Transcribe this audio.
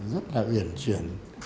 rất là biển chuyển